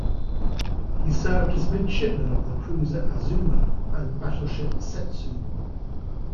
He served as midshipman on the cruiser "Azuma" and battleship "Settsu".